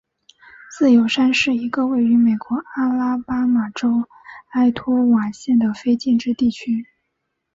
自由山是一个位于美国阿拉巴马州埃托瓦县的非建制地区。